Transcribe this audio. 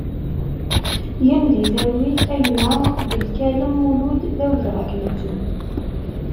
Gen di talwit a gma Belkalem Mulud, d awezɣi ad k-nettu!